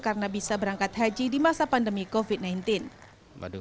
karena bisa berangkat haji di masa pandemi covid sembilan belas